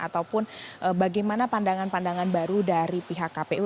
ataupun bagaimana pandangan pandangan baru dari pihak kpu